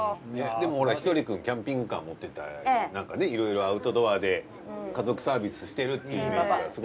でもほらひとりくんキャンピングカー持っててなんかねいろいろアウトドアで家族サービスしてるっていうイメージ。